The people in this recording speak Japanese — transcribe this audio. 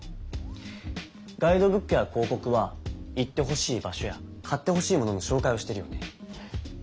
ガイドブックや広告は行ってほしい場所や買ってほしいものの紹介をしてるよね。